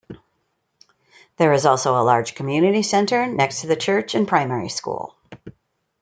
There is also a large community centre next to the church and primary school.